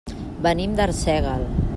Venim d'Arsèguel.